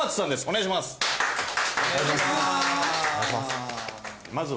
お願いします。